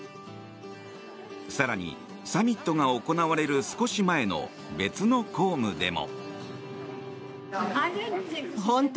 更にサミットが行われる少し前の別の公務でも。